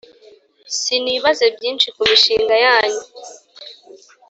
Sinibaze byinshi ku mishinga yanyu